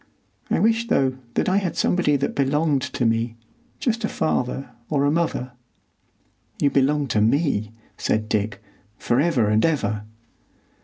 I wish, though, that I had somebody that belonged to me,—just a father or a mother." "You belong to me," said Dick, "for ever and ever."